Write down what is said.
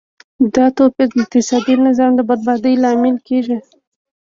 دا توپیر د اقتصادي نظام د بربادۍ لامل کیږي.